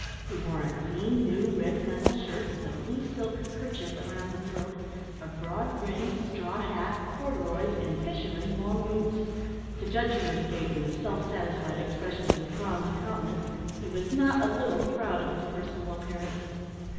He wore a clean new red flannel shirt, with a blue silk kerchief round the throat; a broad brimmed straw hat, corduroys, and fisherman's long boots. To judge from his gait, and the self satisfied expression of his bronzed countenance, he was not a little proud of his personal appearance.